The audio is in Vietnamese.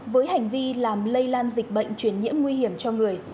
với hành vi làm lây lan dịch bệnh truyền nhiễm nguy hiểm cho người